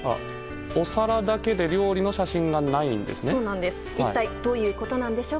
お皿だけで料理の写真がないんですね。